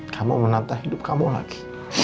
kamu menata hidup kamu lagi